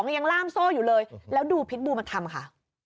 ยังล่ามโซ่อยู่เลยแล้วดูพิษบูมันทำค่ะ